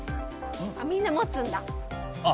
みんな持つんだ。